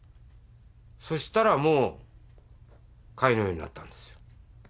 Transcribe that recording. そしたらもう貝のようになったんですよ。